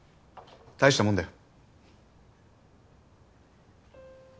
大したもんだよ。